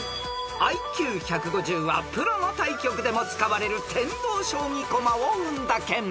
［ＩＱ１５０はプロの対局でも使われる天童将棋駒を生んだ県］